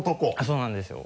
そうなんですよ。